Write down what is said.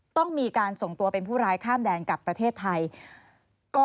ต้องมีการส่งตัวเป็นผู้ร้ายข้ามแดนกลับประเทศไทย